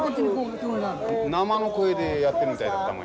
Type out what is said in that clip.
生の声でやってるみたいだったもん